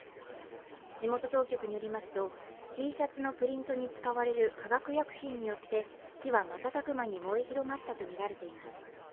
地元当局によりますとＴシャツのプリントに使われる化学薬品によって火は瞬く間に燃え広がったとみられています。